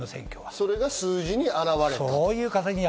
それが数字に表れた。